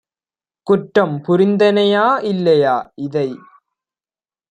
குற்றம் புரிந்தனையா இல்லையா இதை